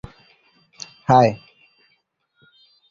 এই সব ঘটনা তাপ বায়ু সম্পর্কের ফলাফল।